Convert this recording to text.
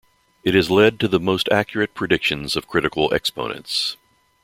It has led to the most accurate predictions of critical exponents.